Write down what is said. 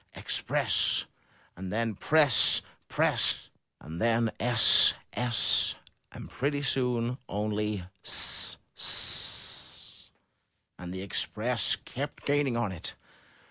Express!' and then "Press! 'Press!' and then *'Ess! 'Ess!' and pretty soon only *'Ss! 'Ss!' And the Express kept gaining on it.